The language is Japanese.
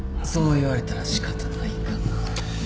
そう言われたら仕方ないかなぁ。